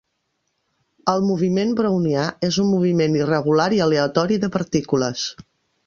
El moviment brownià és un moviment irregular i aleatori de partícules.